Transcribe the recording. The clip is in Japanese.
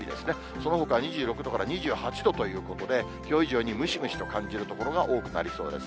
そのほか２６度から２８度ということで、きょう以上にムシムシと感じる所が多くなりそうです。